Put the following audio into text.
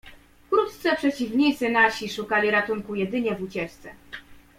"Wkrótce przeciwnicy nasi szukali ratunku jedynie w ucieczce."